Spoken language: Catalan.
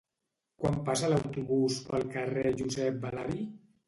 Quan passa l'autobús pel carrer Josep Balari?